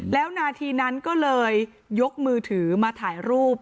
แล้วนาทีนั้นก็เลยยกมือถือมาถ่ายรูป